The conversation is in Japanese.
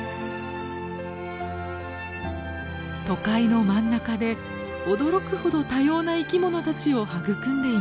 都会の真ん中で驚くほど多様な生き物たちを育んでいました。